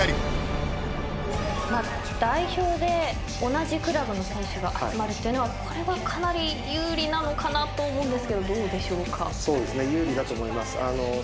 代表で同じクラブの選手が集まるっていうのはかなり有利なのかなと思うんですけどどうでしょうか？